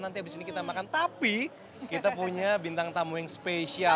nanti abis ini kita makan tapi kita punya bintang tamu yang spesial